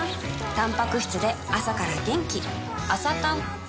たんぱく質で朝から元気